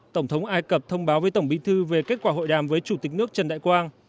tổng thống ai cập thông báo với tổng bí thư về kết quả hội đàm với chủ tịch nước trần đại quang